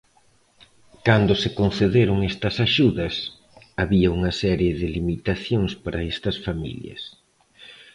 Cando se concederon estas axudas, había unha serie de limitacións para estas familias.